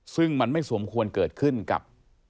ซึ่งมันไม่สมควรเกิดขึ้นกับ